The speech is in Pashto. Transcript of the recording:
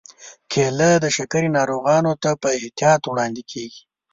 کېله د شکرې ناروغانو ته په احتیاط وړاندیز کېږي.